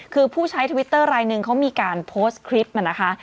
คือผู้ใช้ทวิตเตอร์รายหนึ่งเขามีการโพสต์คลิปมานะคะ